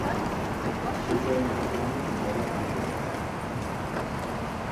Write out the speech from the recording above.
Istripuaren tokian loreak daude gaur.